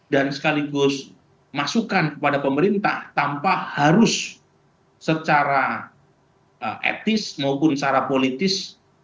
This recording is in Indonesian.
dan sekaligus masukkan kepada pemerintah tanpa harus secara etis maupun secara politis